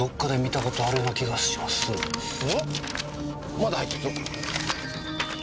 まだ入ってるぞ。